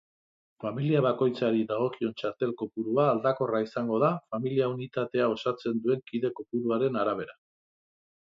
Familia bakoitzari dagokion txartel-kopurua aldakorra izango da familia-unitatea osatzen duen kide-kopuruaren arabera.